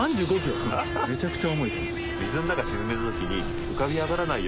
めちゃくちゃ重いです。